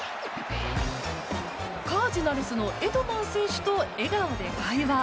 カージナルスのエドマン選手と笑顔で会話。